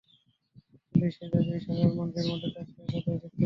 কিন্তু ঐ শেহজাদী ঐ সাধারণ মানুষের মধ্যে তার শেহজাদা দেখতে পেয়েছে।